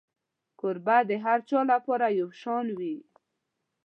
کوربه د هر چا لپاره یو شان وي.